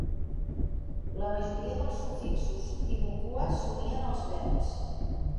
La majoria dels sufixos Timucua s'unien als verbs.